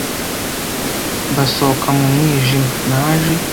Basohoka mu mwijima. Naje,